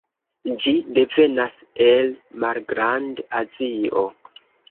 Ĝi devenas el Malgrand-Azio.